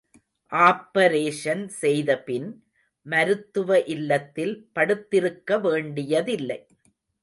Operation செய்தபின் மருத்துவ இல்லத்தில் படுத்திருக்க வேண்டியதில்லை.